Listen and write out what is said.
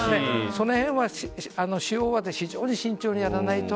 その辺は非常に慎重にやらないと。